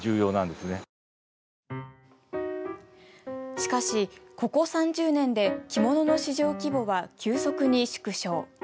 しかし、ここ３０年で着物の市場規模は急速に縮小。